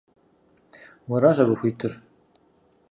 Уэращ абы хуитыр.